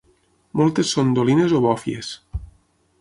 Moltes són dolines o bòfies.